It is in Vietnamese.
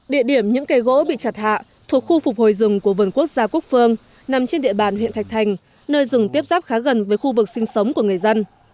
địa điểm những cây gỗ bị chặt hạ thuộc khu phục hồi rừng của vườn quốc gia quốc phương nằm trên địa bàn huyện thạch thành nơi rừng tiếp ráp khá gần với khu vực sinh sống của người dân